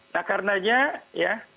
nah karenanya ya